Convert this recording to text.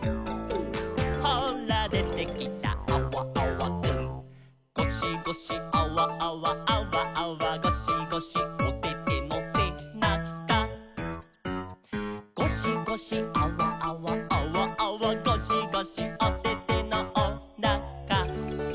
「ほらでてきたアワアワくん」「ゴシゴシアワアワアワアワゴシゴシ」「おててのせなか」「ゴシゴシアワアワアワアワゴシゴシ」「おててのおなか」